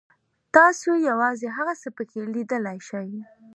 تاسو یوازې هغه څه پکې لیدلی شئ.